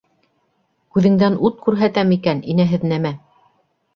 Күҙеңдән ут күрһәтәм икән, инәһеҙ нәмә!